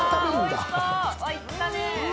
いったね！